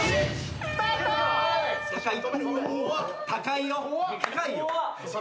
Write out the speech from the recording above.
高いよ。